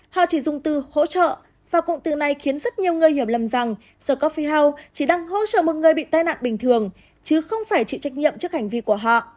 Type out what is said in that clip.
họ chỉ dùng từ hỗ trợ và cụm từ này khiến rất nhiều người hiểu lầm rằng sccoffi house chỉ đang hỗ trợ một người bị tai nạn bình thường chứ không phải chịu trách nhiệm trước hành vi của họ